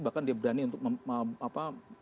bahkan dia berani untuk kontak fisik